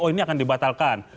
oh ini akan dibatalkan